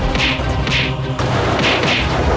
kedai yang menangis